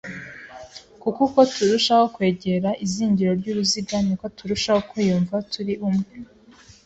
kuko uko turushaho kwegera izingiro ry’uruziga ni ko tuzarushaho kwiyumva turi umwe,